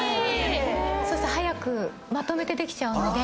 そうすると早くまとめてできちゃうので。